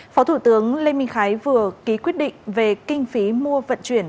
phó thủ tướng lê minh khái vừa ký quyết định về kinh phí mua vận chuyển